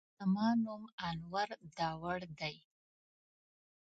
زما نوم انور داوړ دی.